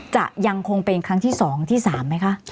จะยังคงเป็นครั้งที่๒ที่๓ไหมคะ